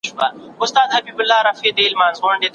کمپيوټر ترانې چالانه کوي.